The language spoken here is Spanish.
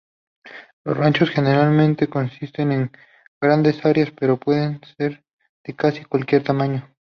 Los ranchos generalmente consisten en grandes áreas, pero pueden ser de casi cualquier tamaño.